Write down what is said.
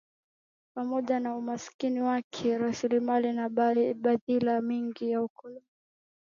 Pamoja na umasikini wake wa rasilimali na madhila mengine ya ukoloni mkongwe